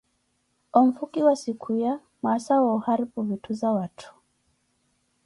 onfukiwa sikhuya mwaasa wa oharupu witthu za watthu.